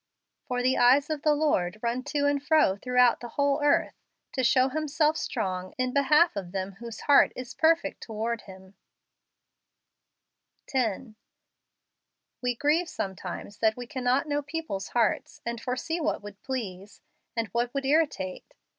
" For the eyes of the Lord run to and fro through¬ out the whole earth, to show himself strong in the behalf of them whose heart is perfect toward him " 8 JANUARY. 10. We grieve sometimes that we can¬ not know people's hearts, and foresee what would please, and what would irritate.